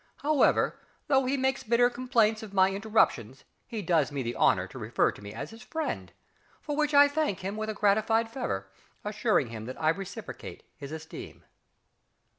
However, though he makes bitter complaints of my interruptions, he does me the honour to refer to me as his friend, for which I thank him with a gratified fervour, assuring him that I reciprocate his esteem.